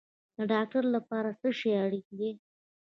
د ډاکټر لپاره څه شی اړین دی؟